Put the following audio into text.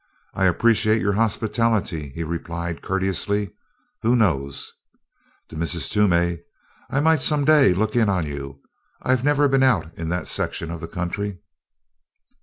"I appreciate your hospitality," he replied courteously. "Who knows?" to Mrs. Toomey, "I might some day look in on you I've never been out in that section of the country."